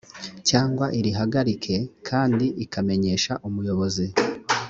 cyangwa irihagarike kandi ikamenyesha umuyobozi